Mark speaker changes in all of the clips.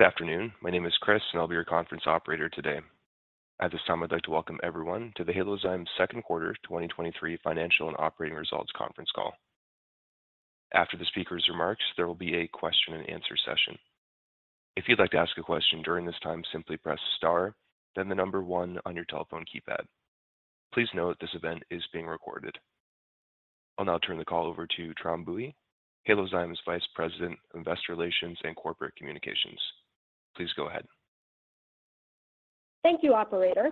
Speaker 1: Good afternoon. My name is Chris, and I'll be your conference operator today. At this time, I'd like to welcome everyone to the Halozyme second quarter 2023 financial and operating results conference call. After the speaker's remarks, there will be a question and answer session. If you'd like to ask a question during this time, simply press star, then the number one on your telephone keypad. Please note that this event is being recorded. I'll now turn the call over to Tram Bui, Halozyme's Vice President of Investor Relations and Corporate Communications. Please go ahead.
Speaker 2: Thank you, operator.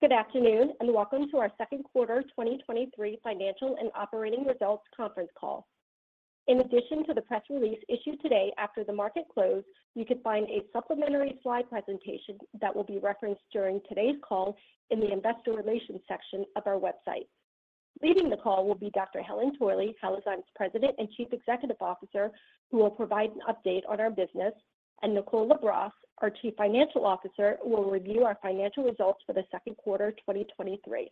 Speaker 2: Good afternoon. Welcome to our second quarter 2023 financial and operating results conference call. In addition to the press release issued today after the market closed, you can find a supplementary slide presentation that will be referenced during today's call in the Investor Relations section of our website. Leading the call will be Dr. Helen Torley, Halozyme's President and Chief Executive Officer, who will provide an update on our business. Nicole Labrosse, our Chief Financial Officer, will review our financial results for the second quarter 2023.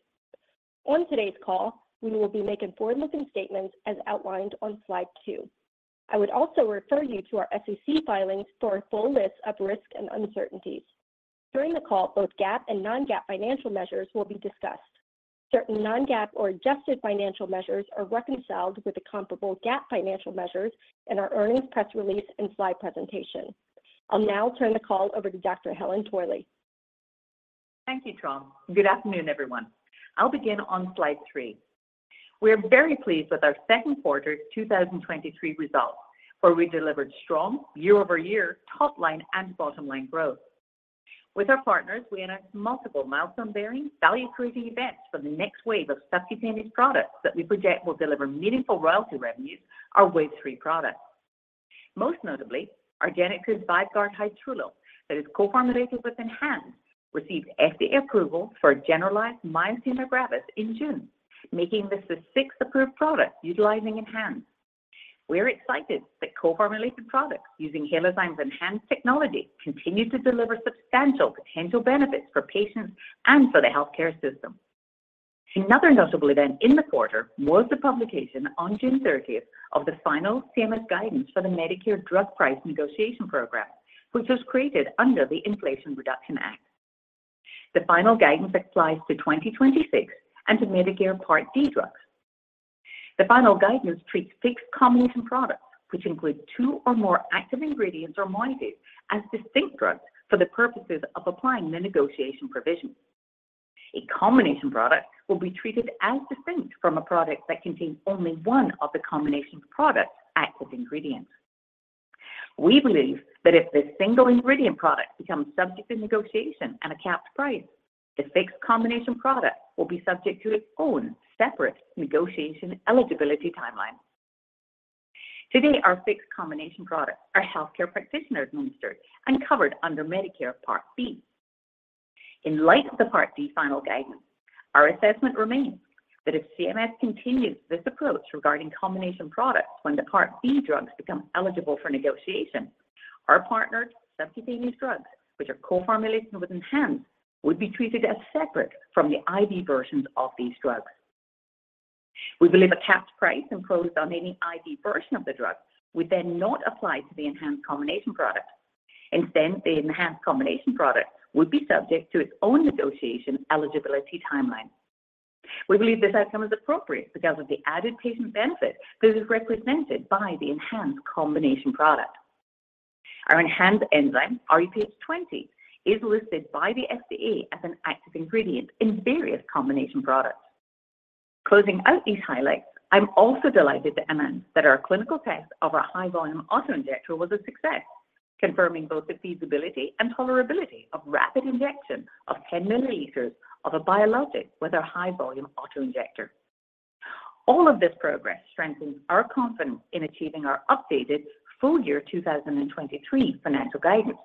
Speaker 2: On today's call, we will be making forward-looking statements as outlined on slide 2. I would also refer you to our SEC filings for a full list of risks and uncertainties. During the call, both GAAP and non-GAAP financial measures will be discussed. Certain non-GAAP or adjusted financial measures are reconciled with the comparable GAAP financial measures in our earnings press release and slide presentation. I'll now turn the call over to Dr. Helen Torley.
Speaker 3: Thank you, Tram. Good afternoon, everyone. I'll begin on slide 3. We are very pleased with our second quarter's 2023 results, where we delivered strong year-over-year top-line and bottom-line growth. With our partners, we announced multiple milestone-bearing, value-creating events for the next wave of subcutaneous products that we project will deliver meaningful royalty revenues, our Wave 3 products. Most notably, argenx's Vyvgart Hytrulo, that is co-formulated with ENHANZE, received FDA approval for generalized myasthenia gravis in June, making this the 6th approved product utilizing ENHANZE. We're excited that co-formulated products using Halozyme's ENHANZE technology continue to deliver substantial potential benefits for patients and for the healthcare system. Another notable event in the quarter was the publication on June 30th of the final CMS guidance for the Medicare Drug Price Negotiation Program, which was created under the Inflation Reduction Act. The final guidance applies to 2026 and to Medicare Part D drugs. The final guidance treats fixed combination products, which include 2 or more active ingredients or molecules, as distinct drugs for the purposes of applying the negotiation provision. A combination product will be treated as distinct from a product that contains only one of the combination product's active ingredients. We believe that if the single-ingredient product becomes subject to negotiation and a capped price, the fixed combination product will be subject to its own separate negotiation eligibility timeline. Today, our fixed combination products are healthcare practitioner administered and covered under Medicare Part B. In light of the Part D final guidance, our assessment remains that if CMS continues this approach regarding combination products when the Part B drugs become eligible for negotiation, our partnered subcutaneous drugs, which are co-formulated with ENHANZE, would be treated as separate from the IV versions of these drugs. We believe a capped price imposed on any IV version of the drug would then not apply to the ENHANZE combination product. Instead, the ENHANZE combination product would be subject to its own negotiation eligibility timeline. We believe this outcome is appropriate because of the added patient benefit that is represented by the ENHANZE combination product. Our ENHANZE enzyme, rHuPH20, is listed by the FDA as an active ingredient in various combination products. Closing out these highlights, I'm also delighted to announce that our clinical test of our high-volume auto-injector was a success, confirming both the feasibility and tolerability of rapid injection of 10 milliliters of a biologic with our high-volume auto-injector. All of this progress strengthens our confidence in achieving our updated full year 2023 financial guidance,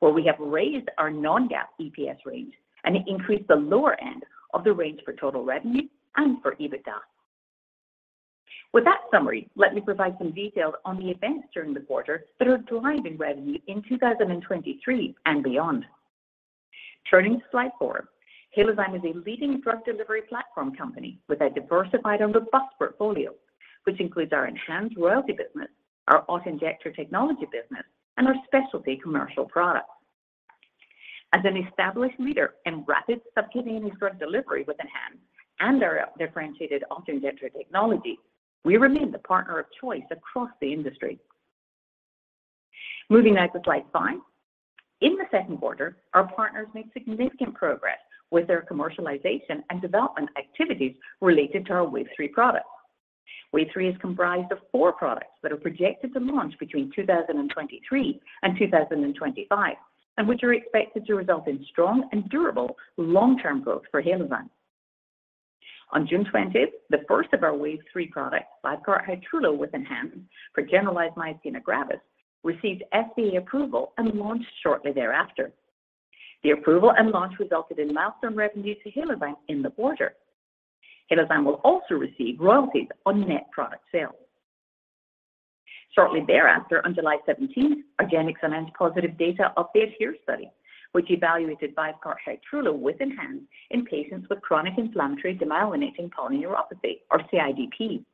Speaker 3: where we have raised our non-GAAP EPS range and increased the lower end of the range for total revenue and for EBITDA. With that summary, let me provide some detail on the events during the quarter that are driving revenue in 2023 and beyond. Turning to slide 4, Halozyme is a leading drug delivery platform company with a diversified and robust portfolio, which includes our ENHANZE royalty business, our auto-injector technology business, and our specialty commercial products. As an established leader in rapid subcutaneous drug delivery with ENHANZE and our differentiated auto-injector technology, we remain the partner of choice across the industry. Moving now to slide 5. In the second quarter, our partners made significant progress with their commercialization and development activities related to our Wave 3 products. Wave 3 is comprised of 4 products that are projected to launch between 2023 and 2025, and which are expected to result in strong and durable long-term growth for Halozyme. On June 20th, the first of our Wave 3 products, Vyvgart Hytrulo, with ENHANZE for generalized myasthenia gravis, received FDA approval and launched shortly thereafter. The approval and launch resulted in milestone revenue to Halozyme in the quarter. Halozyme will also receive royalties on net product sales. Shortly thereafter, on July 17th, argenx announced positive data of the ADHERE study, which evaluated Vyvgart Hytrulo with ENHANZE in patients with chronic inflammatory demyelinating polyneuropathy, or CIDP.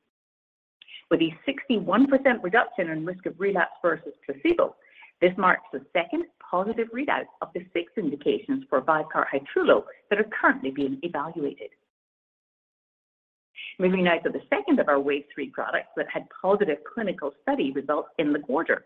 Speaker 3: With a 61% reduction in risk of relapse versus placebo, this marks the second positive readout of the 6 indications for Vyvgart Hytrulo that are currently being evaluated. Moving now to the second of our Wave Three products that had positive clinical study results in the quarter.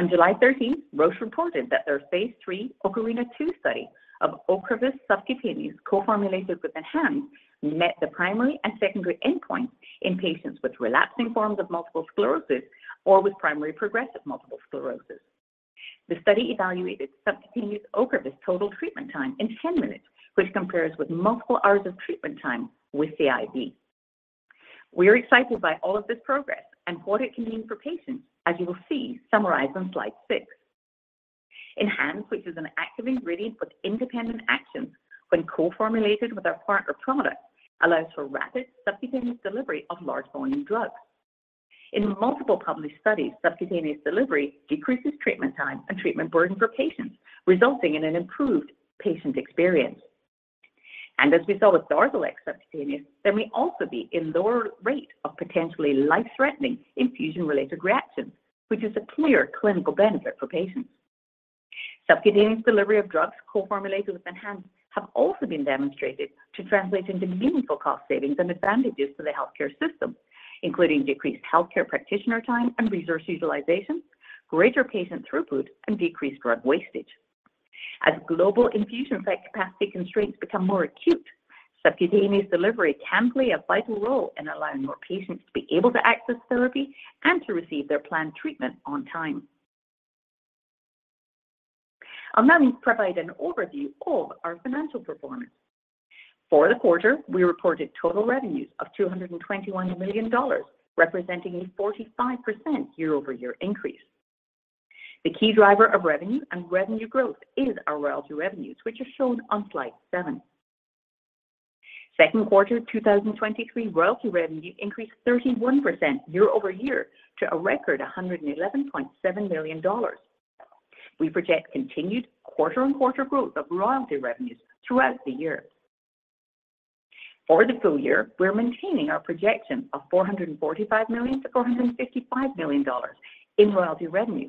Speaker 3: On July 13th, Roche reported that their phase 3 OCARINA II study of Ocrevus subcutaneous, co-formulated with ENHANZE, met the primary and secondary endpoints in patients with relapsing forms of multiple sclerosis or with primary progressive multiple sclerosis. The study evaluated subcutaneous Ocrevus total treatment time in 10 minutes, which compares with multiple hours of treatment time with the IV. We are excited by all of this progress and what it can mean for patients, as you will see summarized on slide 6. ENHANZE, which is an active ingredient with independent actions when co-formulated with our partner product, allows for rapid subcutaneous delivery of large volume drugs. In multiple published studies, subcutaneous delivery decreases treatment time and treatment burden for patients, resulting in an improved patient experience. As we saw with Darzalex subcutaneous, there may also be a lower rate of potentially life-threatening infusion-related reactions, which is a clear clinical benefit for patients. Subcutaneous delivery of drugs co-formulated with ENHANZE have also been demonstrated to translate into meaningful cost savings and advantages to the healthcare system, including decreased healthcare practitioner time and resource utilization, greater patient throughput, and decreased drug wastage. As global infusion site capacity constraints become more acute, subcutaneous delivery can play a vital role in allowing more patients to be able to access therapy and to receive their planned treatment on time. I'll now provide an overview of our financial performance. For the quarter, we reported total revenues of $221 million, representing a 45% year-over-year increase. The key driver of revenue and revenue growth is our royalty revenues, which are shown on slide 7. Second quarter 2023 royalty revenue increased 31% year-over-year to a record $111.7 million. We project continued quarter-on-quarter growth of royalty revenues throughout the year. For the full year, we're maintaining our projection of $445 million-$455 million in royalty revenue,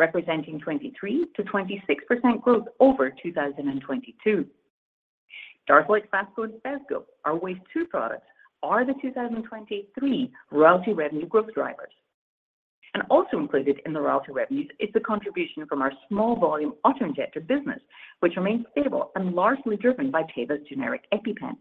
Speaker 3: representing 23%-26% growth over 2022. DARZALEX, Faspro, and Phesgo, our Wave Two products, are the 2023 royalty revenue growth drivers. Also included in the royalty revenues is the contribution from our small volume auto-injector business, which remains stable and largely driven by Teva's generic EpiPen.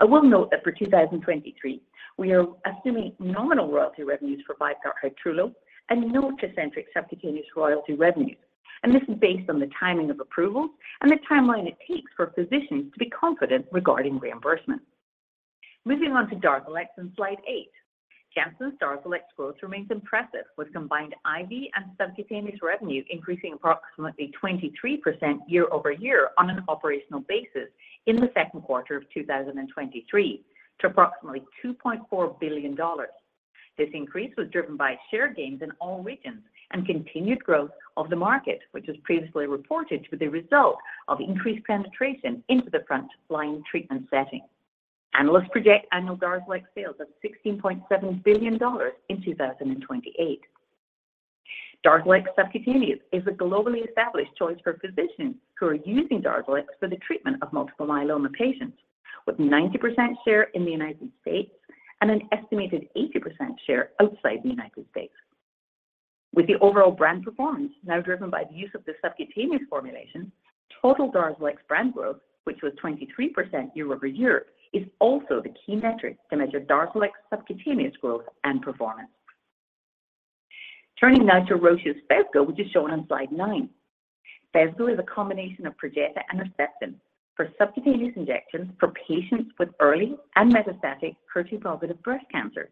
Speaker 3: I will note that for 2023, we are assuming nominal royalty revenues for Vyvgart Hytrulo and no Tecentriq subcutaneous royalty revenues, and this is based on the timing of approvals and the timeline it takes for physicians to be confident regarding reimbursement. Moving on to DARZALEX on slide 8. Janssen's DARZALEX growth remains impressive, with combined IV and subcutaneous revenue increasing approximately 23% year-over-year on an operational basis in the second quarter of 2023 to approximately $2.4 billion. This increase was driven by share gains in all regions and continued growth of the market, which was previously reported with the result of increased penetration into the front-line treatment setting. Analysts project annual Darzalex sales of $16.7 billion in 2028. Darzalex subcutaneous is a globally established choice for physicians who are using Darzalex for the treatment of multiple myeloma patients, with 90% share in the United States and an estimated 80% share outside the United States. With the overall brand performance now driven by the use of the subcutaneous formulation, total Darzalex brand growth, which was 23% year-over-year, is also the key metric to measure Darzalex subcutaneous growth and performance. Turning now to Roche's Phesgo, which is shown on slide 9. Phesgo is a combination of Perjeta and Herceptin for subcutaneous injections for patients with early and metastatic HER2-positive breast cancer.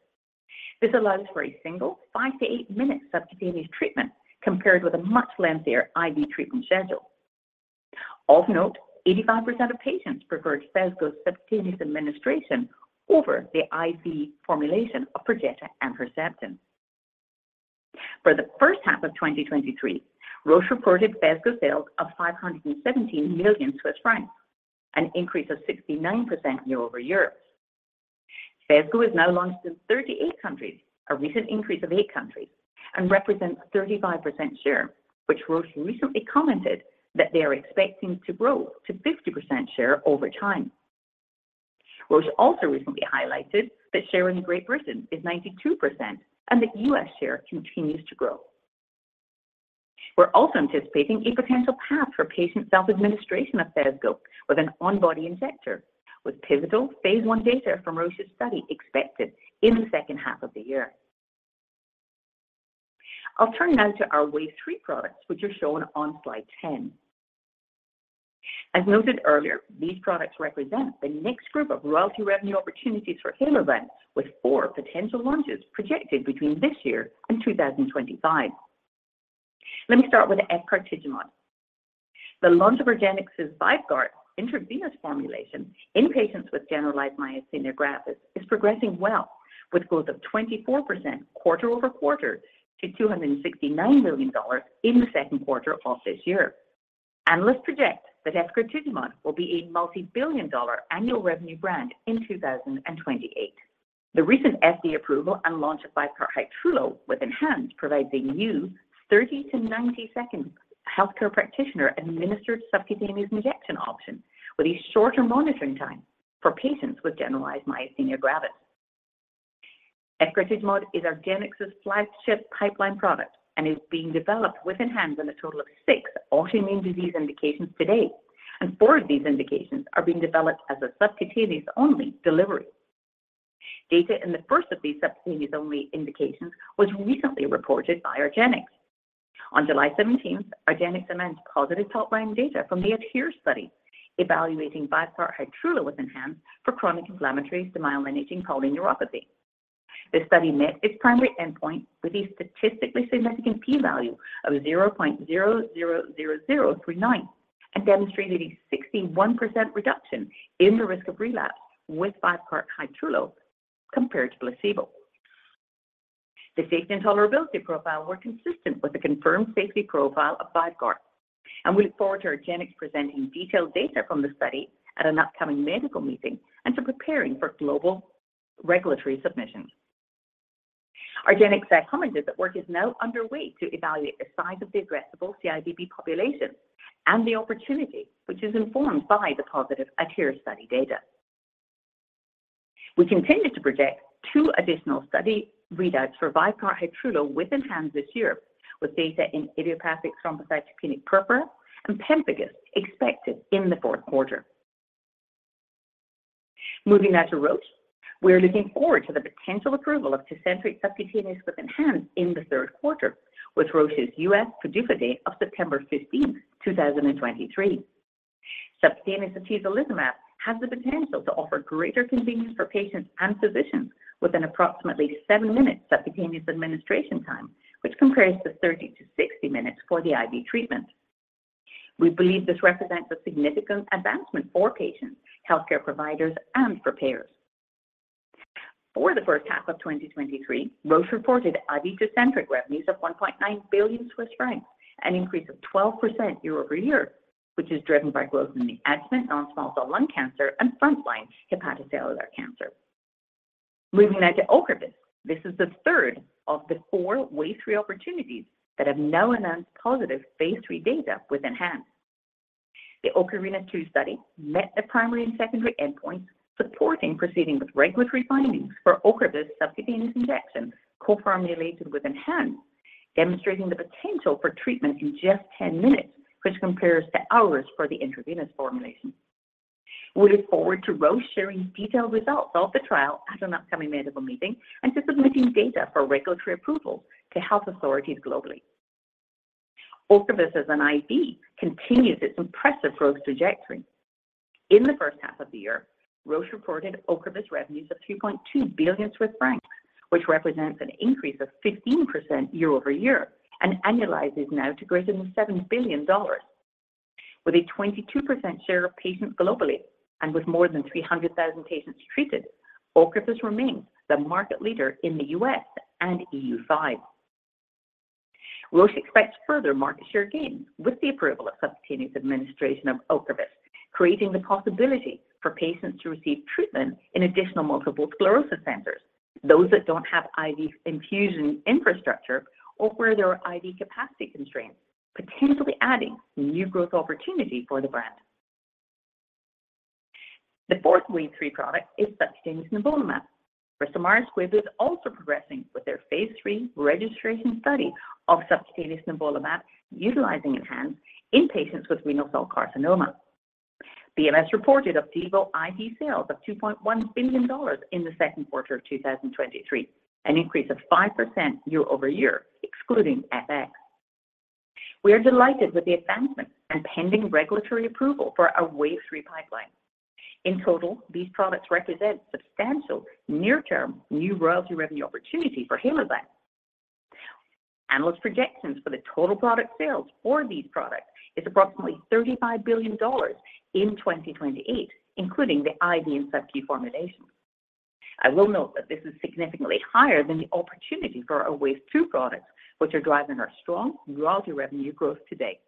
Speaker 3: This allows for a single 5-8 minute subcutaneous treatment, compared with a much lengthier IV treatment schedule. Of note, 85% of patients preferred Phesgo's subcutaneous administration over the IV formulation of Perjeta and Herceptin. For the first half of 2023, Roche reported Phesgo sales of 517 million Swiss francs, an increase of 69% year-over-year. Phesgo is now launched in 38 countries, a recent increase of eight countries, and represents a 35% share, which Roche recently commented that they are expecting to grow to 50% share over time. Roche also recently highlighted that share in Great Britain is 92% and the U.S. share continues to grow. We're also anticipating a potential path for patient self-administration of phesgo with an on-body injector, with pivotal phase I data from Roche's study expected in the second half of the year. I'll turn now to our Wave Three products, which are shown on slide 10. As noted earlier, these products represent the next group of royalty revenue opportunities for Halozyme, with 4 potential launches projected between this year and 2025. Let me start with efgartigimod. The launch of argenx's Vyvgart intravenous formulation in patients with generalized myasthenia gravis is progressing well, with growth of 24% quarter-over-quarter to $269 million in the second quarter of this year. Analysts predict that efgartigimod will be a multi-billion dollar annual revenue brand in 2028. The recent FDA approval and launch of Vyvgart Hytrulo with ENHANZE provides a new 30-90-second healthcare practitioner administered subcutaneous injection option, with a shorter monitoring time for patients with generalized myasthenia gravis. Eptinezumab is argenx's flagship pipeline product and is being developed with ENHANZE in a total of 6 autoimmune disease indications to date, 4 of these indications are being developed as a subcutaneous-only delivery. Data in the first of these subcutaneous-only indications was recently reported by argenx. On July 17th, argenx announced positive top-line data from the ADHERE study, evaluating Vyvgart Hytrulo with ENHANZE for chronic inflammatory demyelinating polyneuropathy. The study met its primary endpoint with a statistically significant P value of 0.000039 and demonstrated a 61% reduction in the risk of relapse with Vyvgart Hytrulo compared to placebo. The safety and tolerability profile were consistent with the confirmed safety profile of Vyvgart, and we look forward to Argenx presenting detailed data from the study at an upcoming medical meeting and to preparing for global regulatory submissions. Argenx commented that work is now underway to evaluate the size of the addressable CIDP population and the opportunity, which is informed by the positive ADHERE study data. We continue to project two additional study readouts for Vyvgart Hytrulo with ENHANZE this year, with data in idiopathic thrombocytopenic purpura and pemphigus expected in the fourth quarter. Moving now to Roche, we are looking forward to the potential approval of Tecentriq subcutaneous with ENHANZE in the third quarter, with Roche's U.S. PDUFA date of September 15th, 2023. Subcutaneous atezolizumab has the potential to offer greater convenience for patients and physicians, with an approximately seven-minute subcutaneous administration time, which compares to 30-60 minutes for the IV treatment. We believe this represents a significant advancement for patients, healthcare providers, and preparers. For the first half of 2023, Roche reported Tecentriq revenues of 1.9 billion Swiss francs, an increase of 12% year-over-year, which is driven by growth in the advanced non-small cell lung cancer and frontline hepatocellular cancer. Moving now to Ocrevus. This is the third of the four Wave three opportunities that have now announced positive phase 3 data with ENHANZE. The Ocrevus 2 study met the primary and secondary endpoints, supporting proceeding with regulatory filings for Ocrevus subcutaneous injection, co-formulated with ENHANZE, demonstrating the potential for treatment in just 10 minutes, which compares to hours for the intravenous formulation. We look forward to Roche sharing detailed results of the trial at an upcoming medical meeting and to submitting data for regulatory approval to health authorities globally. Ocrevus as an IV continues its impressive growth trajectory. In the first half of the year, Roche reported Ocrevus revenues of 3.2 billion Swiss francs, which represents an increase of 15% year-over-year and annualizes now to greater than $7 billion. With a 22% share of patients globally and with more than 300,000 patients treated, Ocrevus remains the market leader in the U.S. and EU five. Roche expects further market share gains with the approval of subcutaneous administration of Ocrevus, creating the possibility for patients to receive treatment in additional multiple sclerosis centers, those that don't have IV infusion infrastructure or where there are IV capacity constraints, potentially adding new growth opportunity for the brand. The fourth Wave three product is subcutaneous nivolumab. Bristol Myers Squibb is also progressing with their phase 3 registration study of subcutaneous nivolumab, utilizing ENHANZE in patients with renal cell carcinoma. BMS reported Opdivo IV sales of $2.1 billion in the second quarter of 2023, an increase of 5% year-over-year, excluding FX. We are delighted with the advancement and pending regulatory approval for our Wave three pipeline. In total, these products represent substantial near-term new royalty revenue opportunity for Halozyme. Analyst projections for the total product sales for these products is approximately $35 billion in 2028, including the IV and subcu formulations. I will note that this is significantly higher than the opportunity for our Wave two products, which are driving our strong royalty revenue growth today.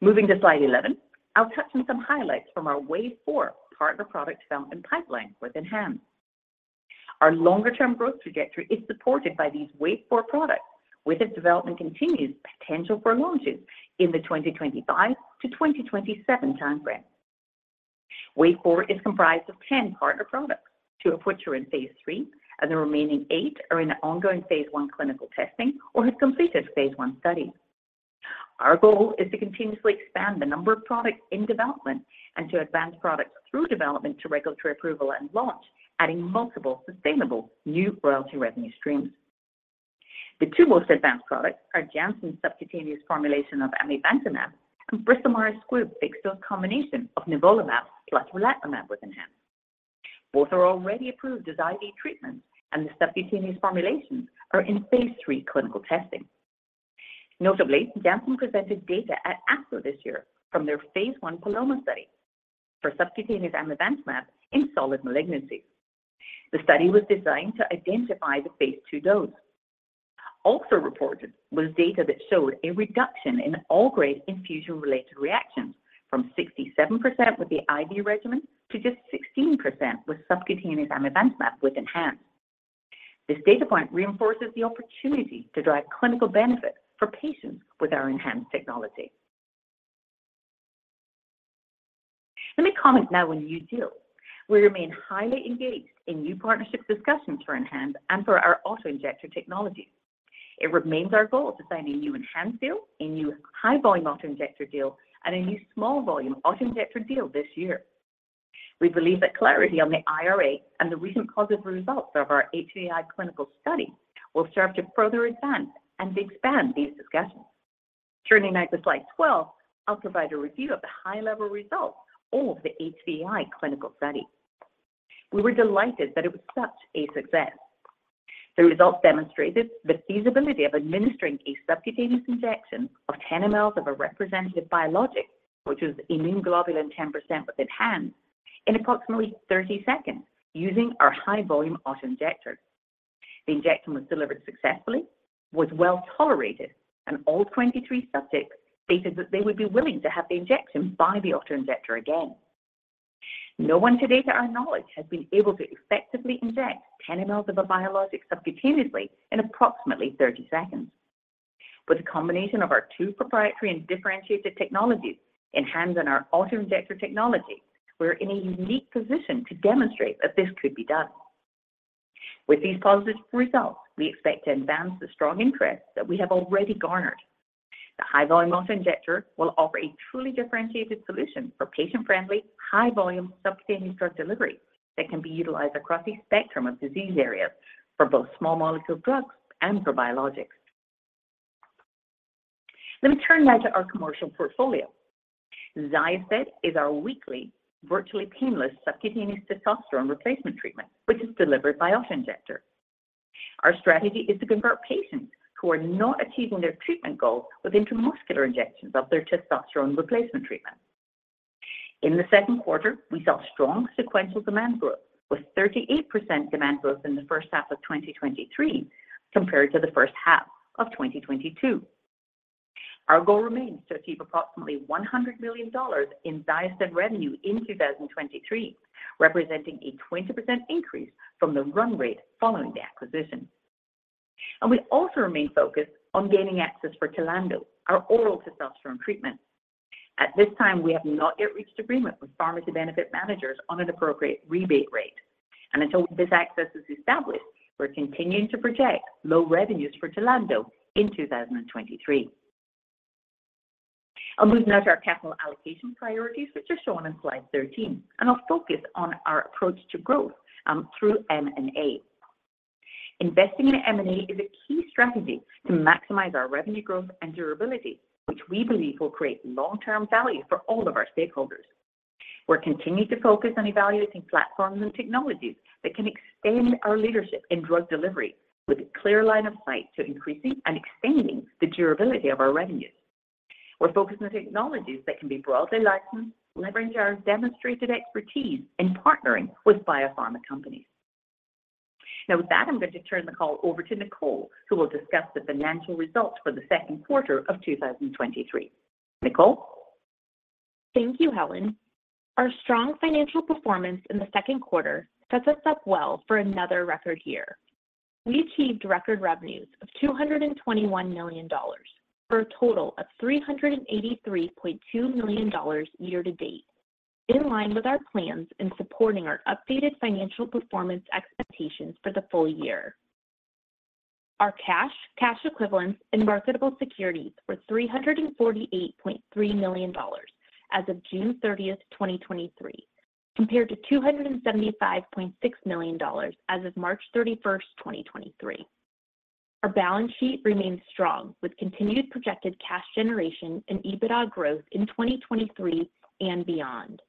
Speaker 3: Moving to slide 11, I'll touch on some highlights from our Wave 4 partner product development pipeline with ENHANZE. Our longer-term growth trajectory is supported by these Wave 4 products, with its development continues potential for launches in the 2025 to 2027 time frame. Wave 4 is comprised of 10 partner products, two of which are in phase 3, the remaining 8 are in ongoing phase 1 clinical testing or have completed phase 1 studies. Our goal is to continuously expand the number of products in development and to advance products through development to regulatory approval and launch, adding multiple sustainable new royalty revenue streams. The two most advanced products are Janssen's subcutaneous formulation of amivantamab and Bristol Myers Squibb fixed-dose combination of nivolumab plus relatlimab with ENHANZE. Both are already approved as IV treatments, the subcutaneous formulations are in phase 3 clinical testing. Notably, Janssen presented data at ASCO this year from their phase 1 PALOMA study for subcutaneous amivantamab in solid malignancies. The study was designed to identify the phase 2 dose. Also reported was data that showed a reduction in all grade infusion-related reactions from 67% with the IV regimen to just 16% with subcutaneous amivantamab with ENHANZE. This data point reinforces the opportunity to drive clinical benefit for patients with our ENHANZE technology. Let me comment now on new deal. We remain highly engaged in new partnership discussions for ENHANZE and for our auto-injector technology. It remains our goal to sign a new ENHANZE deal, a new high-volume auto-injector deal, and a new small volume auto-injector deal this year. We believe that clarity on the IRA and the recent positive results of our HVI clinical study will serve to further advance and expand these discussions. Turning now to slide 12, I'll provide a review of the high-level results of the HVI clinical study. We were delighted that it was such a success. The results demonstrated the feasibility of administering a subcutaneous injection of 10 mLs of a representative biologic, which is immune globulin 10% with ENHANZE, in approximately 30 seconds using our high-volume auto-injector. The injection was delivered successfully, was well tolerated, and all 23 subjects stated that they would be willing to have the injection by the auto-injector again. No one to date, to our knowledge, has been able to effectively inject 10 mLs of a biologic subcutaneously in approximately 30 seconds. With a combination of our two proprietary and differentiated technologies, ENHANZE and our auto-injector technology, we're in a unique position to demonstrate that this could be done. With these positive results, we expect to advance the strong interest that we have already garnered. The high-volume auto-injector will offer a truly differentiated solution for patient-friendly, high-volume subcutaneous drug delivery that can be utilized across a spectrum of disease areas for both small molecule drugs and for biologics. Let me turn now to our commercial portfolio. XYOSTED is our weekly, virtually painless, subcutaneous testosterone replacement treatment, which is delivered by auto-injector. Our strategy is to convert patients who are not achieving their treatment goals with intramuscular injections of their testosterone replacement treatment. In the second quarter, we saw strong sequential demand growth, with 38% demand growth in the first half of 2023 compared to the first half of 2022. Our goal remains to achieve approximately $100 million in XYOSTED revenue in 2023, representing a 20% increase from the run rate following the acquisition. We also remain focused on gaining access for TLANDO, our oral testosterone treatment. At this time, we have not yet reached agreement with pharmacy benefit managers on an appropriate rebate rate, and until this access is established, we're continuing to project low revenues for TLANDO in 2023. I'll move now to our capital allocation priorities, which are shown on slide 13, and I'll focus on our approach to growth through M&A. Investing in M&A is a key strategy to maximize our revenue growth and durability, which we believe will create long-term value for all of our stakeholders. We're continuing to focus on evaluating platforms and technologies that can expand our leadership in drug delivery with a clear line of sight to increasing and expanding the durability of our revenues. We're focused on technologies that can be broadly licensed, leveraging our demonstrated expertise in partnering with biopharma companies. With that, I'm going to turn the call over to Nicole, who will discuss the financial results for the second quarter of 2023. Nicole?
Speaker 4: Thank you, Helen. Our strong financial performance in the second quarter sets us up well for another record year. We achieved record revenues of $221 million, for a total of $383.2 million year to date, in line with our plans in supporting our updated financial performance expectations for the full year. Our cash, cash equivalents, and marketable securities were $348.3 million as of June 30, 2023, compared to $275.6 million as of March 31, 2023. Our balance sheet remains strong, with continued projected cash generation and EBITDA growth in 2023 and beyond.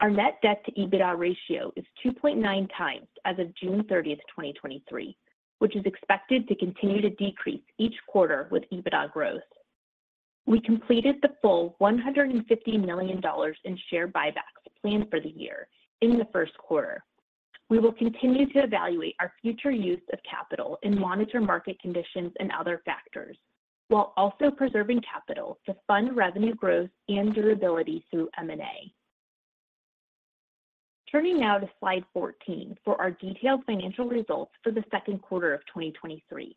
Speaker 4: Our net debt to EBITDA ratio is 2.9 times as of June 30, 2023, which is expected to continue to decrease each quarter with EBITDA growth. We completed the full $150 million in share buybacks planned for the year in the first quarter. We will continue to evaluate our future use of capital and monitor market conditions and other factors, while also preserving capital to fund revenue growth and durability through M&A. Turning now to slide 14 for our detailed financial results for the second quarter of 2023.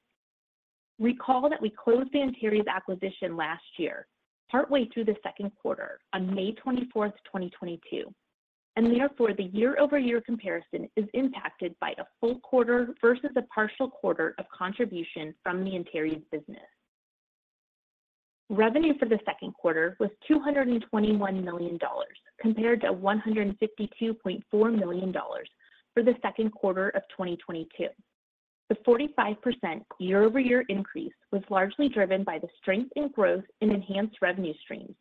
Speaker 4: Recall that we closed the Antares acquisition last year, partway through the second quarter on May 24th, 2022, and therefore, the year-over-year comparison is impacted by a full quarter versus a partial quarter of contribution from the Antares business. Revenue for the second quarter was $221 million, compared to $152.4 million for the second quarter of 2022. The 45% year-over-year increase was largely driven by the strength in growth in ENHANZE revenue streams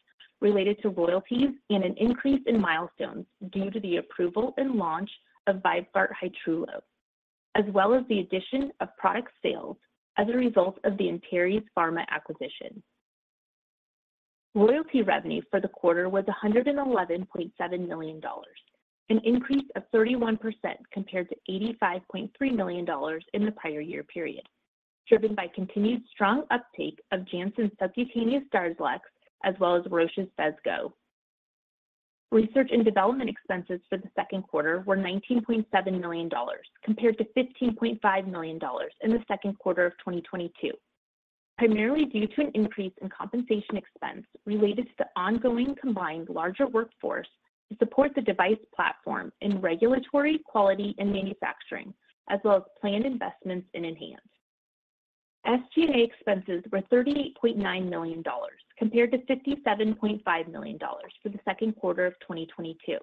Speaker 4: related to royalties and an increase in milestones due to the approval and launch of Vyvgart Hytrulo, as well as the addition of product sales as a result of the Antares Pharma acquisition. Royalty revenue for the quarter was $111.7 million, an increase of 31% compared to $85.3 million in the prior year period, driven by continued strong uptake of Janssen's subcutaneous DARZALEX, as well as Roche's FESGO. Research and development expenses for the second quarter were $19.7 million, compared to $15.5 million in the second quarter of 2022, primarily due to an increase in compensation expense related to the ongoing combined larger workforce to support the device platform in regulatory, quality, and manufacturing, as well as planned investments in ENHANZE. SG&A expenses were $38.9 million, compared to $57.5 million for the second quarter of 2022.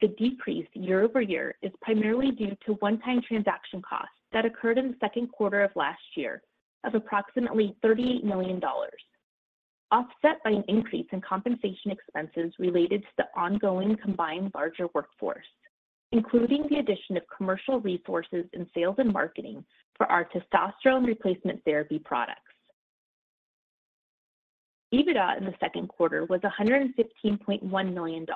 Speaker 4: The decrease year-over-year is primarily due to one-time transaction costs that occurred in the second quarter of last year of approximately $38 million, offset by an increase in compensation expenses related to the ongoing combined larger workforce, including the addition of commercial resources in sales and marketing for our testosterone replacement therapy products. EBITDA in the second quarter was $115.1 million,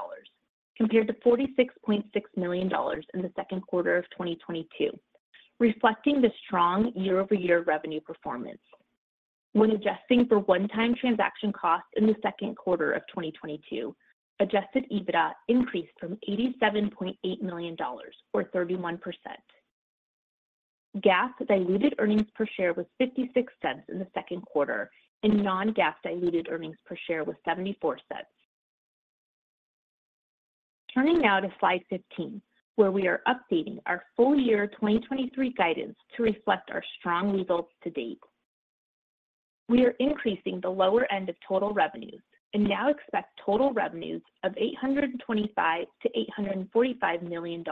Speaker 4: compared to $46.6 million in the second quarter of 2022, reflecting the strong year-over-year revenue performance. When adjusting for one-time transaction costs in the second quarter of 2022, adjusted EBITDA increased from $87.8 million, or 31%. GAAP diluted earnings per share was $0.56 in the second quarter, and non-GAAP diluted earnings per share was $0.74. Turning now to slide 15, where we are updating our full year 2023 guidance to reflect our strong results to date. We are increasing the lower end of total revenues and now expect total revenues of $825 million-$845 million,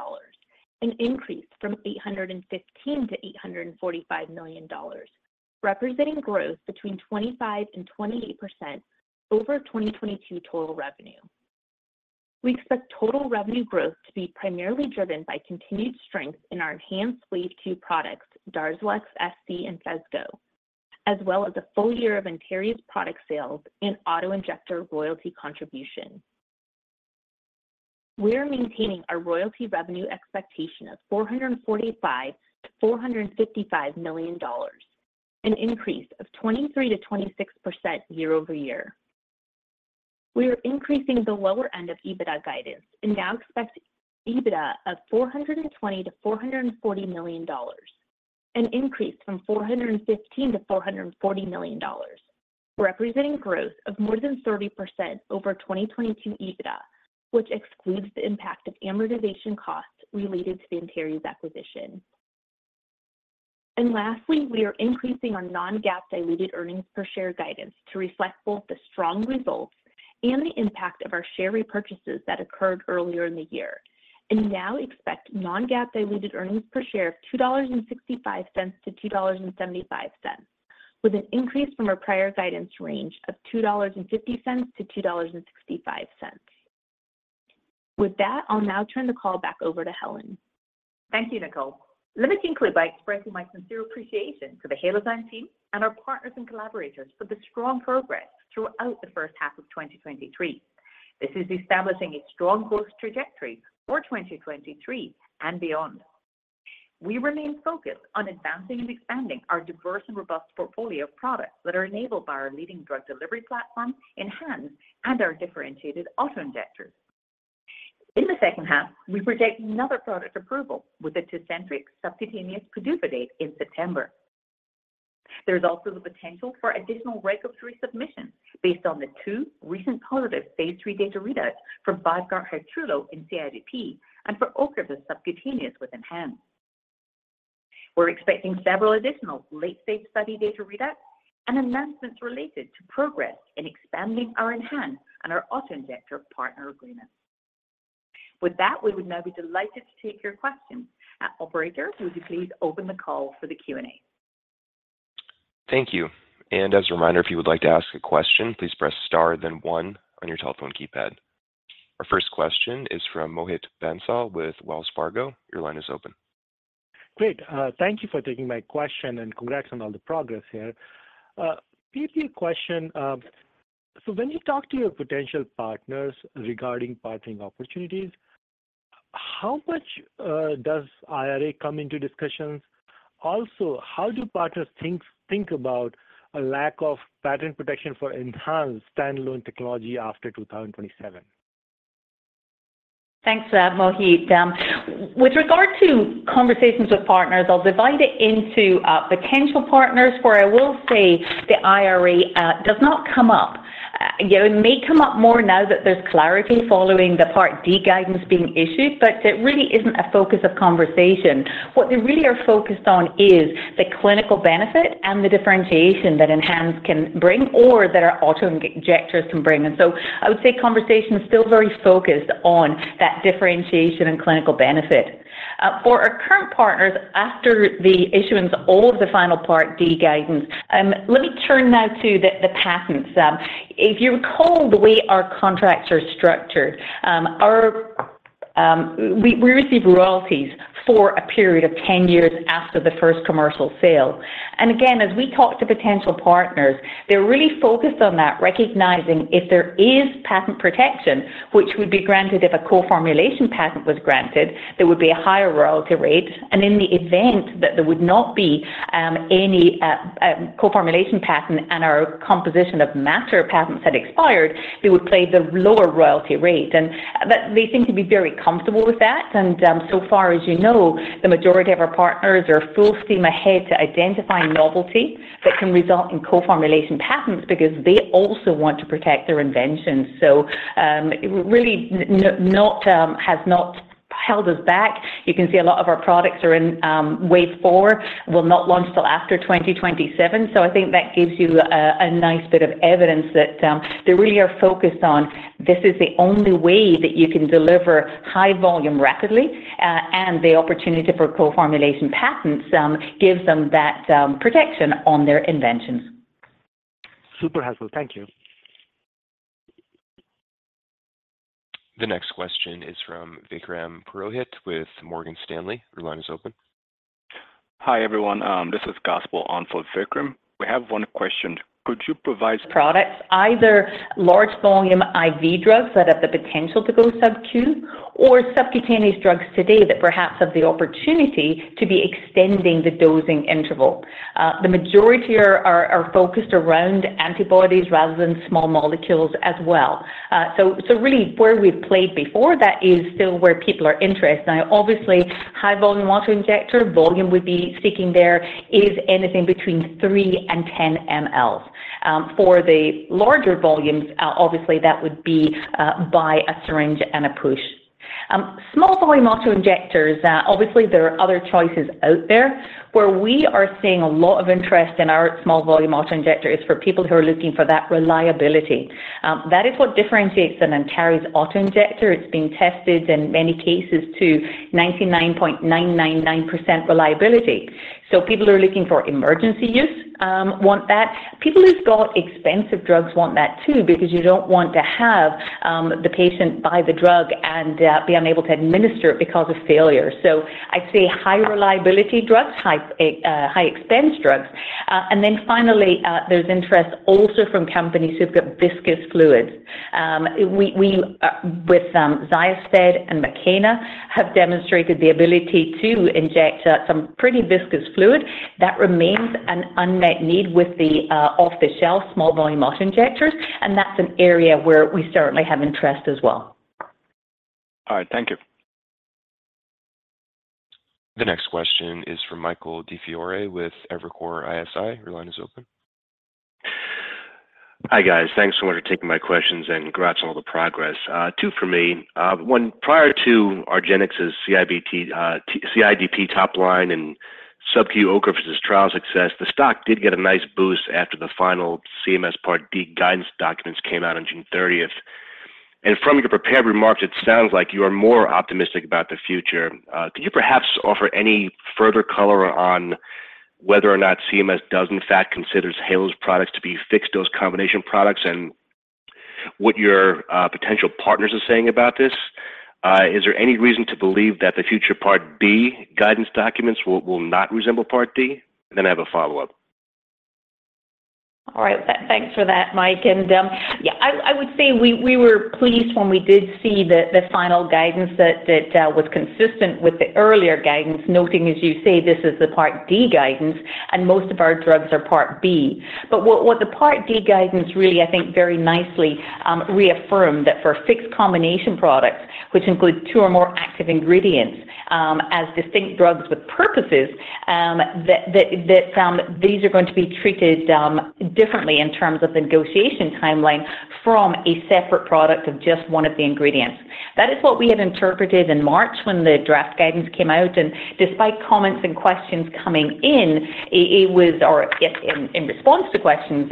Speaker 4: an increase from $815 million-$845 million, representing growth between 25% and 28% over 2022 total revenue. We expect total revenue growth to be primarily driven by continued strength in our ENHANZE Wave Two products, DARZALEX SC and FESGO, as well as a full year of Antares product sales and auto injector royalty contribution. We are maintaining our royalty revenue expectation of $445 million-$455 million, an increase of 23%-26% year-over-year. We are increasing the lower end of EBITDA guidance and now expect EBITDA of $420 million-$440 million, an increase from $415 million-$440 million, representing growth of more than 30% over 2022 EBITDA, which excludes the impact of amortization costs related to the Antares acquisition. Lastly, we are increasing our non-GAAP diluted earnings per share guidance to reflect both the strong results and the impact of our share repurchases that occurred earlier in the year, and now expect non-GAAP diluted earnings per share of $2.65-$2.75, with an increase from our prior guidance range of $2.50-$2.65. With that, I'll now turn the call back over to Helen.
Speaker 3: Thank you, Nicole. Let me conclude by expressing my sincere appreciation to the Halozyme team and our partners and collaborators for the strong progress throughout the first half of 2023. This is establishing a strong growth trajectory for 2023 and beyond. We remain focused on advancing and expanding our diverse and robust portfolio of products that are enabled by our leading drug delivery platform, ENHANZE, and our differentiated auto injectors. In the second half, we project another product approval with the Tecentriq subcutaneous PDUFA date in September. There is also the potential for additional regulatory submissions based on the two recent positive Phase 3 data readouts for Vyvgart Hytrulo in CIDP and for Ocrevus subcutaneous with ENHANZE. We're expecting several additional late-stage study data readouts and announcements related to progress in expanding our ENHANZE and our auto injector partner agreements. With that, we would now be delighted to take your questions. Operator, would you please open the call for the Q&A?
Speaker 1: Thank you. As a reminder, if you would like to ask a question, please press star, then one on your telephone keypad. Our first question is from Mohit Bansal with Wells Fargo. Your line is open.
Speaker 5: Great. Thank you for taking my question, and congrats on all the progress here. PP question. So when you talk to your potential partners regarding partnering opportunities, how much does IRA come into discussions? Also, how do partners think, think about a lack of patent protection for ENHANZE standalone technology after 2027?
Speaker 3: Thanks, Mohit. With regard to conversations with partners, I'll divide it into potential partners, where I will say the IRA does not come up. You know, it may come up more now that there's clarity following the Part D guidance being issued, but it really isn't a focus of conversation. What they really are focused on is the clinical benefit and the differentiation that ENHANZE can bring or that our auto injectors can bring. I would say conversation is still very focused on that differentiation and clinical benefit. For our current partners, after the issuance of all of the final Part D guidance, let me turn now to the patents. If you recall the way our contracts are structured, our-... we, we receive royalties for a period of 10 years after the first commercial sale. Again, as we talk to potential partners, they're really focused on that, recognizing if there is patent protection, which would be granted if a co-formulation patent was granted, there would be a higher royalty rate. In the event that there would not be, any, co-formulation patent and our composition of matter patents had expired, they would play the lower royalty rate. They seem to be very comfortable with that. So far, as you know, the majority of our partners are full steam ahead to identifying novelty that can result in co-formulation patents because they also want to protect their inventions. Really, has not held us back. You can see a lot of our products are in wave four, will not launch till after 2027. I think that gives you a nice bit of evidence that, they really are focused on this is the only way that you can deliver high volume rapidly, and the opportunity for co-formulation patents, gives them that, protection on their inventions.
Speaker 5: Super helpful.
Speaker 1: Thank you. The next question is from Vikram Purohit with Morgan Stanley. Your line is open.
Speaker 6: Hi, everyone. This is Gospel on for Vikram. We have 1 question. Could you provide-
Speaker 3: Products, either large volume IV drugs that have the potential to go subQ, or subcutaneous drugs today that perhaps have the opportunity to be extending the dosing interval. The majority are focused around antibodies rather than small molecules as well. Really where we've played before, that is still where people are interested. Now, obviously, high volume auto injector, volume would be seeking there is anything between 3 and 10 ml. For the larger volumes, obviously, that would be by a syringe and a push. Small volume auto injectors, obviously there are other choices out there. Where we are seeing a lot of interest in our small volume auto injector is for people who are looking for that reliability. That is what differentiates an Antares auto injector. It's been tested in many cases to 99.999% reliability. People who are looking for emergency use, want that. People who've got expensive drugs want that too, because you don't want to have the patient buy the drug and be unable to administer it because of failure. I'd say high reliability drugs, high, high expense drugs. And then finally, there's interest also from companies who've got viscous fluids. We, we, with XYOSTED and Makena have demonstrated the ability to inject some pretty viscous fluid. That remains an unmet need with the off-the-shelf small volume auto injectors, and that's an area where we certainly have interest as well.
Speaker 7: All right, thank you.
Speaker 1: The next question is from Michael DiFiore with Evercore ISI. Your line is open.
Speaker 8: Hi, guys. Thanks for taking my questions, and congrats on all the progress. Two for me. One, prior to argenx's CIDP top line and subQ Ocrevus's trial success, the stock did get a nice boost after the final CMS Part D guidance documents came out on June thirtieth. And from your prepared remarks, it sounds like you are more optimistic about the future. Could you perhaps offer any further color on whether or not CMS does in fact consider Halozyme's products to be fixed-dose combination products, and what your potential partners are saying about this? Is there any reason to believe that the future Part B guidance documents will, will not resemble Part D? And then I have a follow-up.
Speaker 3: All right. Thanks for that, Mike. And, yeah, I, I would say we, we were pleased when we did see the final guidance that was consistent with the earlier guidance, noting, as you say, this is the Part D guidance, and most of our drugs are Part B. But what, what the Part D guidance really, I think, very nicely, reaffirmed that for fixed combination products, which include two or more active ingredients, as distinct drugs with purposes, that these are going to be treated differently in terms of the negotiation timeline from a separate product of just one of the ingredients. That is what we had interpreted in March when the draft guidance came out. Despite comments and questions coming in, response to questions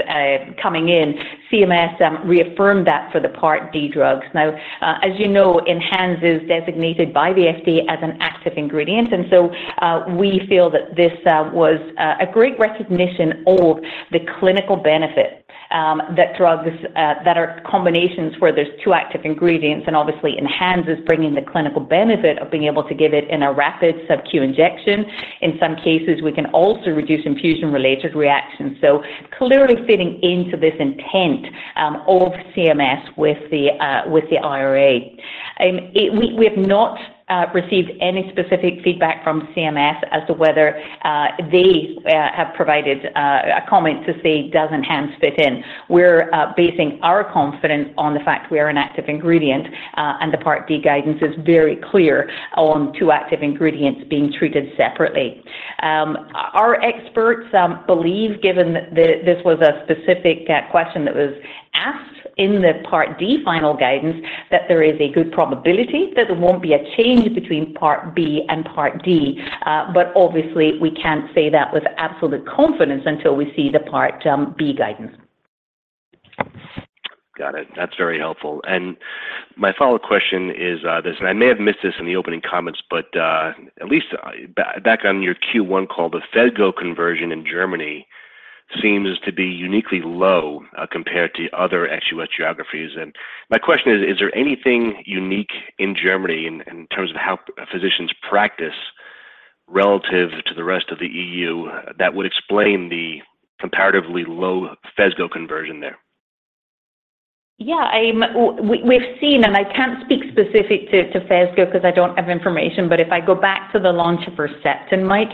Speaker 3: coming in, CMS reaffirmed that for the Part D drugs. Now, as you know, ENHANZE is designated by the FDA as an active ingredient, and so, we feel that this was a great recognition of the clinical benefit that drugs that are combinations where there's two active ingredients, and obviously ENHANZE is bringing the clinical benefit of being able to give it in a rapid subQ injection. In some cases, we can also reduce infusion-related reactions. Clearly fitting into this intent of CMS with the IRA. It. We, we have not received any specific feedback from CMS as to whether they have provided a comment to say, Does ENHANZE fit in? We're basing our confidence on the fact we are an active ingredient, and the Part D guidance is very clear on two active ingredients being treated separately. Our experts believe, given that this was a specific question that was asked in the Part D final guidance, that there is a good probability that there won't be a change between Part B and Part D, but obviously, we can't say that with absolute confidence until we see the Part B guidance.
Speaker 8: Got it. That's very helpful. My follow-up question is, this, and I may have missed this in the opening comments, but at least back, back on your Q1 call, the FESGO conversion in Germany. ... seems to be uniquely low, compared to other actual geographies. My question is, is there anything unique in Germany in, in terms of how physicians practice relative to the rest of the EU that would explain the comparatively low FESGO conversion there?
Speaker 3: Yeah, I'm, we've seen, and I can't speak specific to FESGO because I don't have information, but if I go back to the launch of Herceptin, Mike,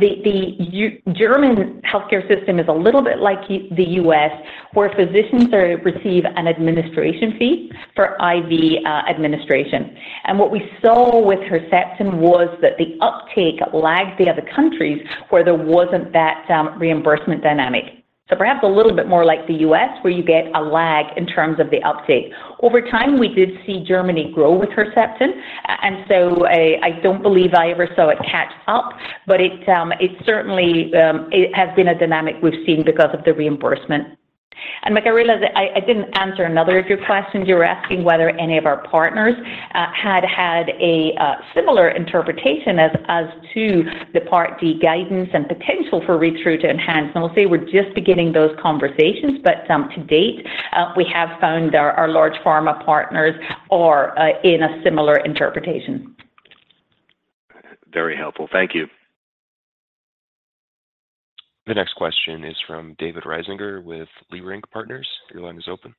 Speaker 3: the German healthcare system is a little bit like the US, where physicians receive an administration fee for IV administration. What we saw with Herceptin was that the uptake lagged the other countries where there wasn't that reimbursement dynamic. Perhaps a little bit more like the US, where you get a lag in terms of the uptake. Over time, we did see Germany grow with Herceptin, and so I don't believe I ever saw it catch up, but it certainly it has been a dynamic we've seen because of the reimbursement. Mike, I realize I didn't answer another of your questions. You were asking whether any of our partners had had a similar interpretation as, as to the Part D guidance and potential for read-through to enhance. I'll say we're just beginning those conversations, but to date, we have found our large pharma partners are in a similar interpretation.
Speaker 8: Very helpful. Thank you.
Speaker 1: The next question is from David Risinger with Leerink Partners. Your line is open.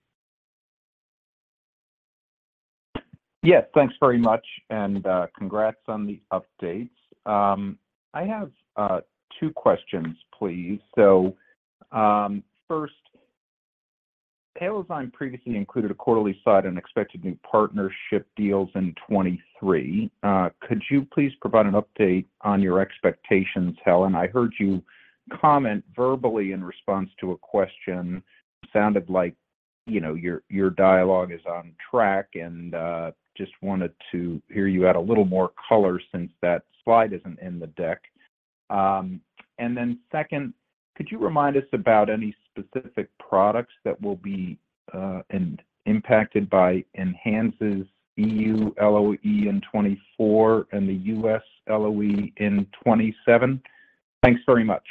Speaker 9: Yes, thanks very much, and congrats on the updates. First, Halozyme previously included a quarterly slide and expected new partnership deals in 2023. Could you please provide an update on your expectations, Helen? I heard you comment verbally in response to a question. Sounded like, you know, your, your dialogue is on track and just wanted to hear you add a little more color since that slide isn't in the deck. Second, could you remind us about any specific products that will be impacted by ENHANZE's EU LOE in 2024 and the U.S. LOE in 2027? Thanks very much.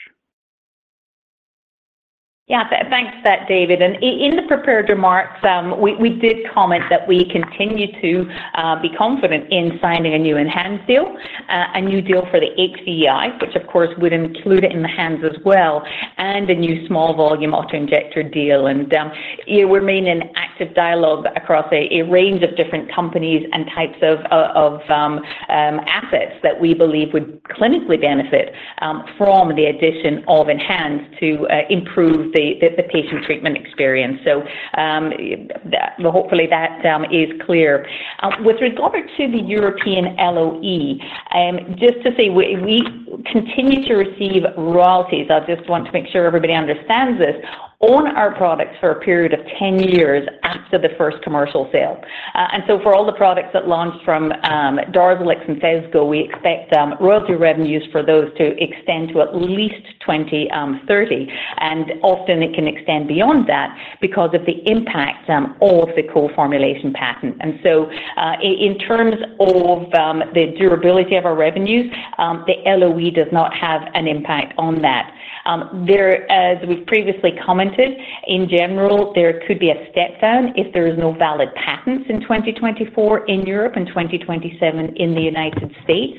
Speaker 3: Yeah, thanks for that, David. In the prepared remarks, we did comment that we continue to be confident in signing a new ENHANZE deal, a new deal for the HVEI, which of course, would include it in the ENHANZE as well, and a new small volume auto-injector deal. We remain in active dialogue across a range of different companies and types of assets that we believe would clinically benefit from the addition of ENHANZE to improve the patient treatment experience. Hopefully, that is clear. With regard to the European LOE, just to say, we continue to receive royalties. I just want to make sure everybody understands this, on our products for a period of 10 years after the first commercial sale. So for all the products that launched from Darzalex and FESGO, we expect royalty revenues for those to extend to at least 2030, and often it can extend beyond that because of the impact of the co-formulation patent. So, in terms of the durability of our revenues, the LOE does not have an impact on that. There, as we've previously commented, in general, there could be a step down if there is no valid patents in 2024 in Europe and 2027 in the United States.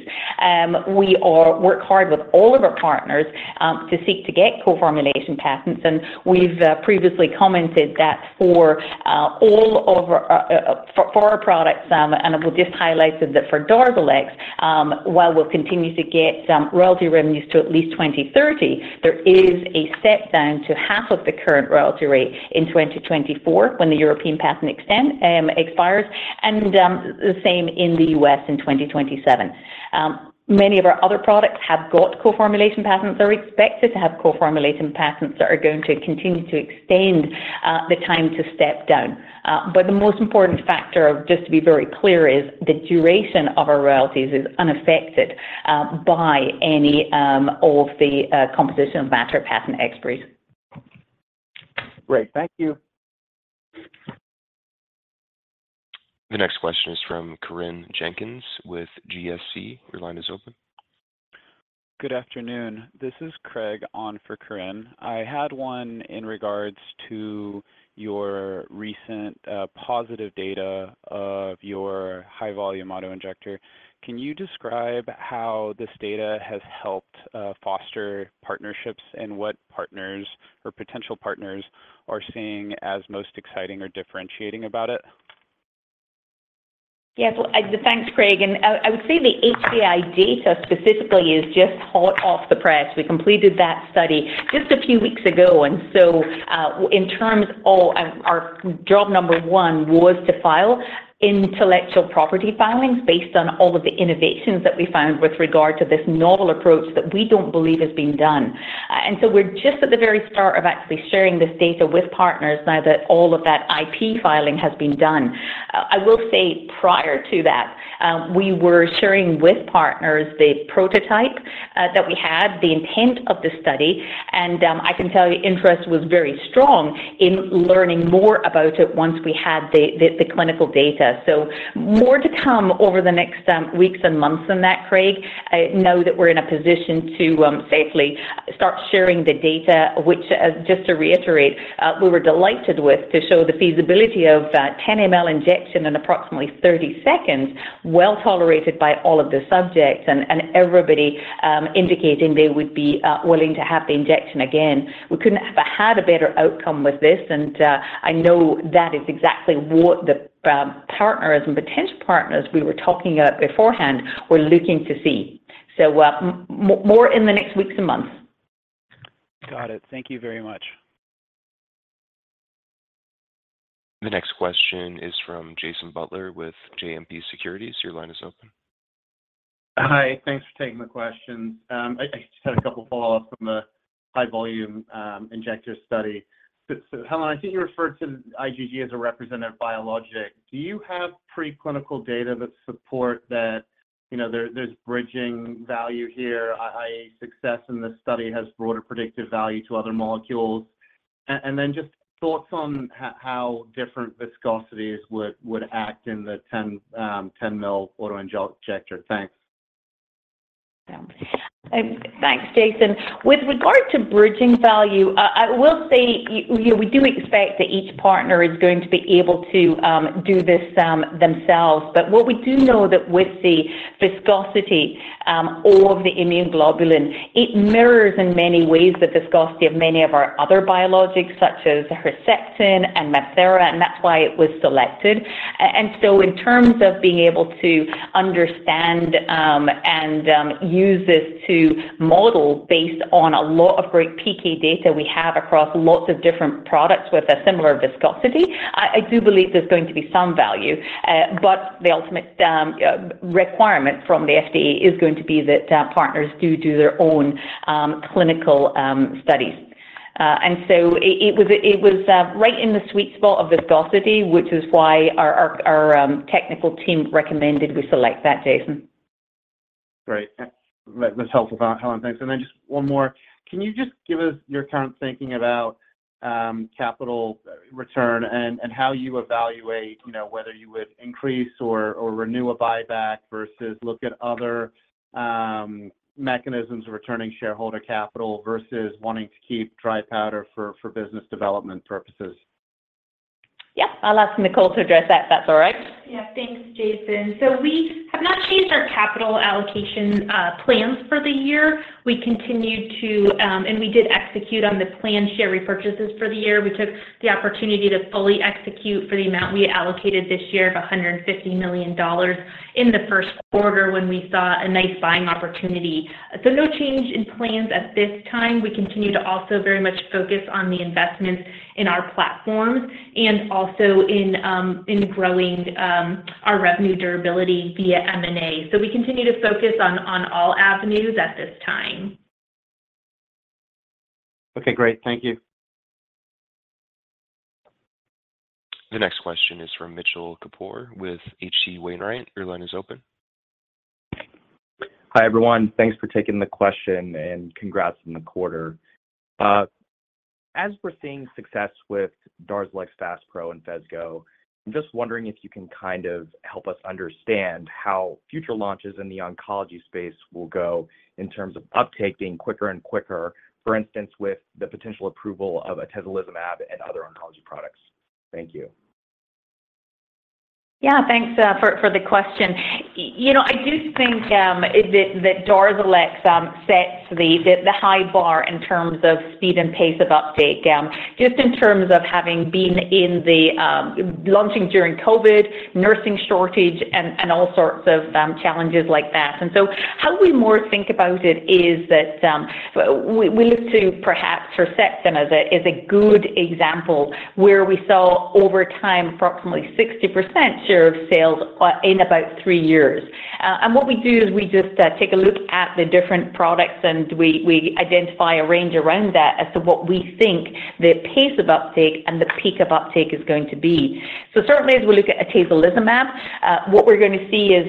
Speaker 3: We all work hard with all of our partners to seek to get co-formulation patents, and we've previously commented that for all of our for our products, and I will just highlight this, that for DARZALEX, while we'll continue to get royalty revenues to at least 2030, there is a step down to half of the current royalty rate in 2024 when the European patent extend expires, and the same in the U.S. in 2027. Many of our other products have got co-formulation patents. They're expected to have co-formulation patents that are going to continue to extend the time to step down. The most important factor, just to be very clear, is the duration of our royalties is unaffected by any of the composition of matter patent expiries.
Speaker 9: Great. Thank you.
Speaker 1: The next question is from Corinne Jenkins with GSC. Your line is open.
Speaker 10: Good afternoon. This is Craig on for Corinne. I had one in regards to your recent, positive data of your high volume auto-injector. Can you describe how this data has helped foster partnerships and what partners or potential partners are seeing as most exciting or differentiating about it?
Speaker 3: Yes. Well, thanks, Craig. I, I would say the HVI data specifically is just hot off the press. We completed that study just a few weeks ago, and so, in terms of, our job number one was to file intellectual property filings based on all of the innovations that we found with regard to this novel approach that we don't believe has been done. So we're just at the very start of actually sharing this data with partners now that all of that IP filing has been done. I will say prior to that, we were sharing with partners the prototype that we had, the intent of the study, and I can tell you interest was very strong in learning more about it once we had the, the, the clinical data. More to come over the next weeks and months on that, Craig. I know that we're in a position to safely start sharing the data, which just to reiterate, we were delighted with, to show the feasibility of that 10 ml injection in approximately 30 seconds, well tolerated by all of the subjects and everybody indicating they would be willing to have the injection again. We couldn't have had a better outcome with this. I know that is exactly what the partners and potential partners we were talking about beforehand were looking to see. More in the next weeks and months.
Speaker 10: Got it. Thank you very much.
Speaker 1: The next question is from Jason Butler with JMP Securities. Your line is open.
Speaker 11: Hi, thanks for taking the question. I just had a couple follow-up from the high volume injector study. Helen, I think you referred to IgG as a representative biologic. Do you have preclinical data that support that, you know, there's bridging value here, i.e. success in this study has broader predictive value to other molecules? Then just thoughts on how different viscosities would act in the 10 mil auto-injector. Thanks.
Speaker 3: Thanks, Jason. With regard to bridging value, I, I will say, you know, we do expect that each partner is going to be able to do this themselves. But what we do know that with the viscosity or of the immunoglobulin, it mirrors in many ways the viscosity of many of our other biologics, such as Herceptin and MabThera, and that's why it was selected. So in terms of being able to understand and use this to model based on a lot of great PK data we have across lots of different products with a similar viscosity, I, I do believe there's going to be some value, but the ultimate requirement from the FDA is going to be that partners do do their own clinical studies. It was right in the sweet spot of viscosity, which is why our technical team recommended we select that, Jason.
Speaker 11: Great. That, that's helpful, Helen. Thanks. Then just one more. Can you just give us your current thinking about capital return and, and how you evaluate, you know, whether you would increase or, or renew a buyback versus look at other mechanisms of returning shareholder capital versus wanting to keep dry powder for, for business development purposes?
Speaker 3: Yep. I'll ask Nicole to address that, if that's all right.
Speaker 4: Yeah. Thanks, Jason. We have not changed our capital allocation plans for the year. We continued to, and we did execute on the planned share repurchases for the year. We took the opportunity to fully execute for the amount we allocated this year of $150 million in the first quarter when we saw a nice buying opportunity. No change in plans at this time. We continue to also very much focus on the investments in our platforms and also in growing our revenue durability via M&A. We continue to focus on, on all avenues at this time.
Speaker 11: Okay, great. Thank you.
Speaker 1: The next question is from Mitchell Kapoor with H.C. Wainwright. Your line is open.
Speaker 12: Hi, everyone. Thanks for taking the question, and congrats on the quarter. As we're seeing success with DARZALEX FASPRO and FESGO, I'm just wondering if you can kind of help us understand how future launches in the oncology space will go in terms of uptake being quicker and quicker. For instance, with the potential approval of atezolizumab and other oncology products. Thank you.
Speaker 3: Yeah, thanks for the question. You know, I do think it is that Darzalex sets the, the, the high bar in terms of speed and pace of uptake, just in terms of having been in the launching during COVID, nursing shortage and all sorts of challenges like that. How we more think about it is that we look to perhaps Herceptin as is a good example, where we saw over time, approximately 60% share of sales in about three years. What we do is we just take a look at the different products, and we identify a range around that as to what we think the pace of uptake and the peak of uptake is going to be. Certainly, as we look at atezolizumab, what we're going to see is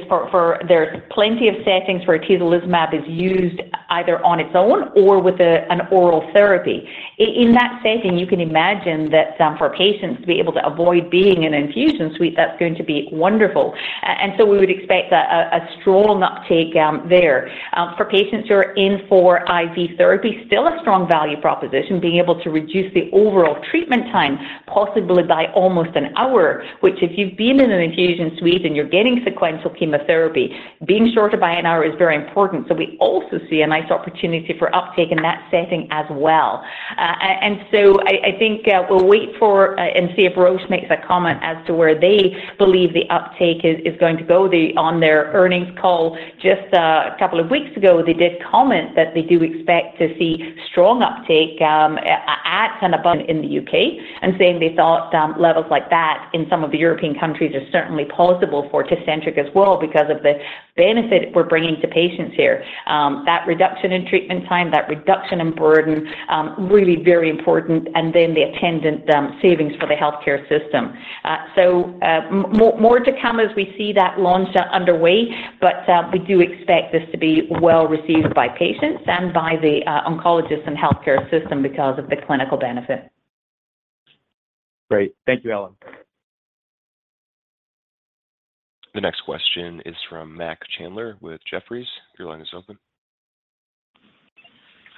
Speaker 3: there's plenty of settings where atezolizumab is used either on its own or with a, an oral therapy. In that setting, you can imagine that for patients to be able to avoid being an infusion suite, that's going to be wonderful. And so we would expect a, a, a strong uptake there. For patients who are in for IV therapy, still a strong value proposition, being able to reduce the overall treatment time, possibly by almost an hour, which if you've been in an infusion suite and you're getting sequential chemotherapy, being shorter by an hour is very important. We also see a nice opportunity for uptake in that setting as well. I think, we'll wait for, and see if Roche makes a comment as to where they believe the uptake is, is going to go. They, on their earnings call just, a couple of weeks ago, they did comment that they do expect to see strong uptake, at ten above in the UK, and saying they thought, levels like that in some of the European countries are certainly plausible for Tecentriq as well because of the benefit we're bringing to patients here. That reduction in treatment time, that reduction in burden, really very important, and then the attendant, savings for the healthcare system. More, more to come as we see that launch underway, we do expect this to be well received by patients and by the oncologists and healthcare system because of the clinical benefit.
Speaker 12: Great. Thank you, Helen.
Speaker 1: The next question is from Mac Chandler with Jefferies. Your line is open.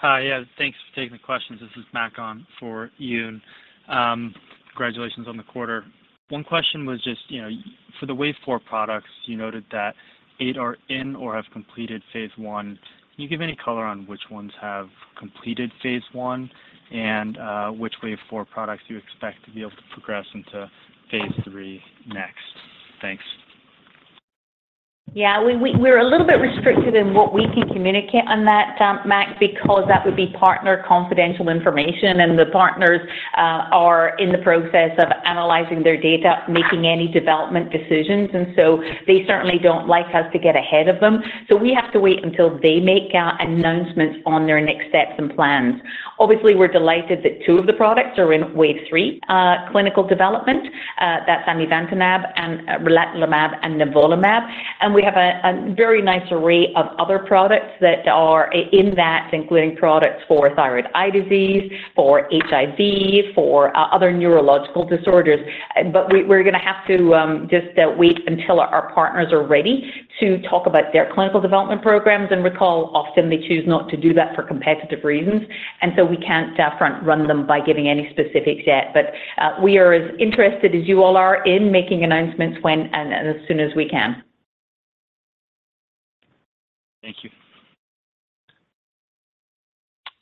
Speaker 13: Hi. Yeah, thanks for taking the questions. This is Mac on for Yoon. Congratulations on the quarter. One question was just, you know, for the wave 4 products, you noted that 8 are in or have completed phase 1. Can you give any color on which ones have completed phase 1 and which wave 4 products you expect to be able to progress into phase 3 next? Thanks.
Speaker 3: Yeah, we, we, we're a little bit restricted in what we can communicate on that, Mac, because that would be partner confidential information, the partners are in the process of analyzing their data, making any development decisions, and so they certainly don't like us to get ahead of them. We have to wait until they make announcements on their next steps and plans. Obviously, we're delighted that two of the products are in wave three clinical development, that's amivantamab and relatlimab and nivolumab. We have a, a very nice array of other products that are in that, including products for thyroid eye disease, for HIV, for other neurological disorders. We, we're gonna have to just wait until our, our partners are ready to talk about their clinical development programs. Recall, often they choose not to do that for competitive reasons, and so we can't front run them by giving any specifics yet. We are as interested as you all are in making announcements when and as soon as we can.
Speaker 13: Thank you.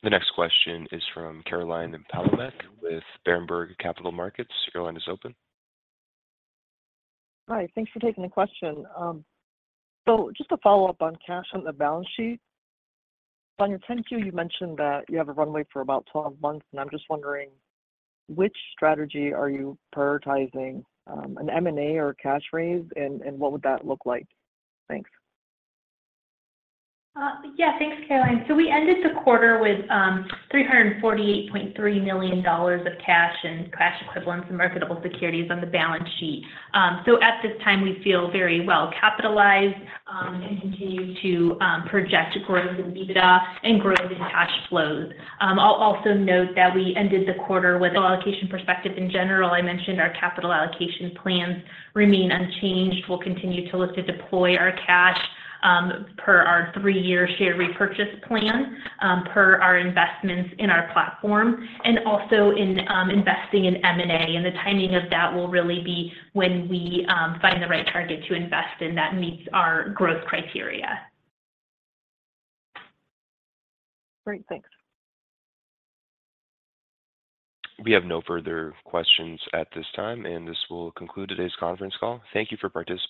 Speaker 1: The next question is from Caroline Palomeque with Berenberg Capital Markets. Your line is open.
Speaker 14: Hi, thanks for taking the question. Just to follow up on cash on the balance sheet. On your 10-Q, you mentioned that you have a runway for about 12 months, and I'm just wondering, which strategy are you prioritizing, an M&A or a cash raise, and what would that look like? Thanks.
Speaker 4: Yeah, thanks, Caroline. We ended the quarter with $348.3 million of cash and cash equivalents and marketable securities on the balance sheet. At this time, we feel very well capitalized, and continue to project growth in EBITDA and growth in cash flows. I'll also note that we ended the quarter with allocation perspective in general, I mentioned our capital allocation plans remain unchanged. We'll continue to look to deploy our cash, per our three-year share repurchase plan, per our investments in our platform, and also in investing in M&A. And the timing of that will really be when we find the right target to invest in that meets our growth criteria.
Speaker 14: Great. Thanks.
Speaker 1: We have no further questions at this time. This will conclude today's conference call. Thank you for participating.